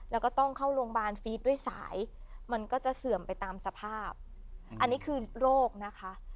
แล้วก็ต้องเข้าโรงพยาบาลฟีดด้วยสายมันก็จะเสื่อมไปตามสภาพอันนี้คือโรคนะคะ